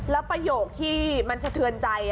ตรงที่มันชะเทินใจ